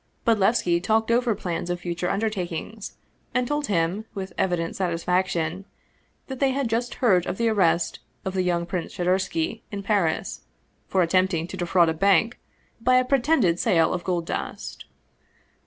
Bodlevski talked over plans of future undertakings, and told him, with evident satis faction, that they had just heard of the arrest of the younger Prince Shadursky, in Paris, for attempting to de fraud a bank by a pretended sale of gold dust.